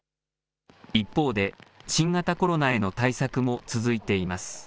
一方で、新型コロナへの対策も続いています。